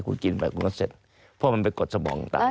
คุณกินไปคุณก็เสร็จเพราะมันไปกดสมองตาย